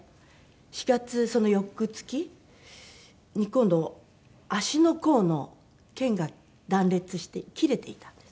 ４月その翌月に今度足の甲の腱が断裂して切れていたんです。